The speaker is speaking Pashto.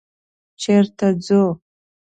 _چېرته ځو؟